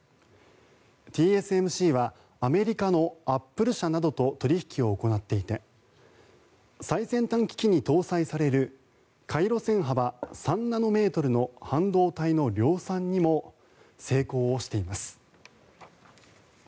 ＴＳＭＣはアメリカのアップル社などと取引を行っていて最先端機器に搭載される回路線幅３ナノメートルの半導体の量産にも成功しています。